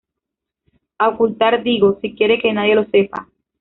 a ocultar digo. si quiere que nadie lo sepa.